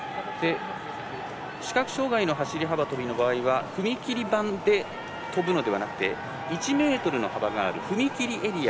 視覚障がいの走り幅跳びの場合は踏み切り板で跳ぶのではなくて１ｍの幅がある踏み切りエリア